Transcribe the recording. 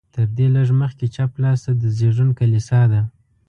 تر دې لږ مخکې چپ لاس ته د زېږون کلیسا ده.